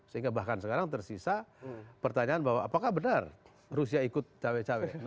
sehingga bahkan sekarang tersisa pertanyaan bahwa apakah benar rusia ikut cawe cawe